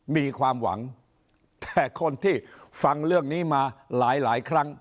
มีความหวังแต่คนที่ฟังเรื่องนี้มาหลายครั้ง